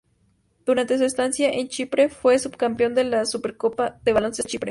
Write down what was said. Durante su estancia en Chipre fue subcampeón de la "Supercopa de baloncesto de Chipre".